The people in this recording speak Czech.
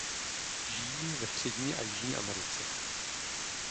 Žijí ve Střední a Jižní Americe.